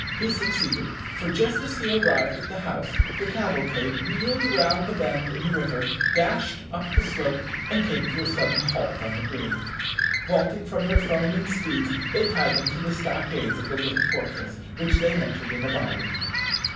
He succeeded, for, just as he arrived at the house, the cavalcade wheeled round the bend in the river, dashed up the slope, and came to a sudden halt on the green. Vaulting from their foaming steeds they tied them to the stockades of the little fortress, which they entered in a body.